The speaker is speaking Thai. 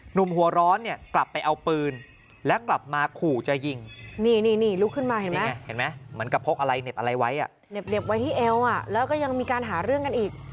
หนุ่มหัวร้อนกลับไปเอาปืน